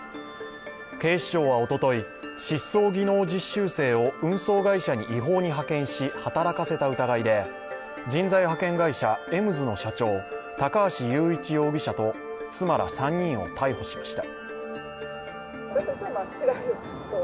警視庁はおととい、失踪技能実習生を運送会社に違法に派遣し、働かせた疑いで人材派遣会社、エムズの社長高橋裕一容疑者と妻ら３人を逮捕しました。